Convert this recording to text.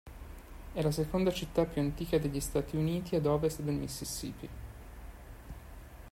È la seconda città più antica degli Stati Uniti ad ovest del Mississippi.